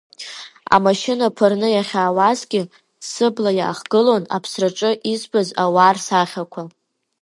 Амашьына ԥырны иахьаауазгьы, сыбла иаахгылон аԥсраҿы избаз ауаа рсахьақәа.